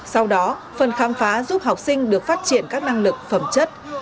sau đó phần khám phá giúp học sinh được phát triển các năng lực phẩm chất